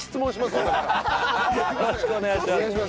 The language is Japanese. よろしくお願いします。